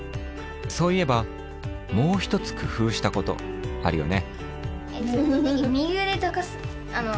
そういえばもう一つ工夫したことあるよね。